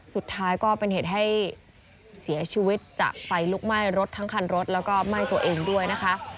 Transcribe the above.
สุดท้ายก็เป็นเหตุให้เสียชีวิตจากไฟลุกไหม้รถทั้งคันรถแล้วก็ไหม้ตัวเองด้วยนะคะ